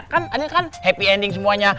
kan ini kan happy ending semuanya